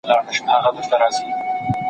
امام نووي رحمه الله ئې په تشريح کي فرمايلي وه.